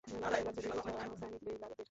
লাল হল লালচে দ্যুতি ছড়ানো সানিভেইলার দের।